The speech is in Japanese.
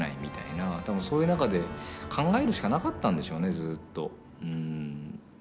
多分そういう中で考えるしかなかったんでしょうねずっと。